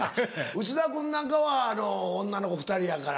内田君なんかは女の子２人やから。